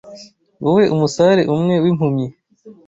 Wowe Umusare umwe wimpumyi